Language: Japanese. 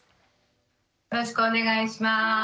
よろしくお願いします。